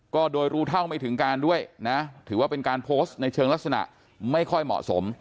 ก็โดยรู้เท่าไม่ถึงการด้วยนะถือว่าเป็นการโพสต์ในเชิงลักษณะไม่ค่อยเหมาะสม